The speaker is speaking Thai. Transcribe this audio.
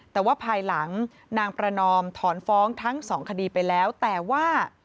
แต่ว่าภายหลังนางประนอมถอนฟ้องทั้งสองคดีไปแล้วแต่ว่า